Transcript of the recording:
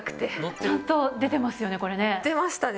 ちゃんと出てますよね、出ましたね。